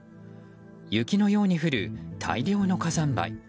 雪のように降る大量の火山灰。